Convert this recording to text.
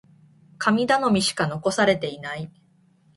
神頼みしか残されていない。